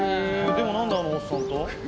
でも何であのおっさんと？